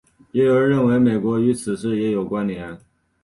也有人认为美国与此事也有关连。